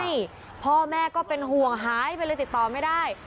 ใช่พ่อแม่ก็เป็นห่วงหายไปเลยติดต่อไม่ได้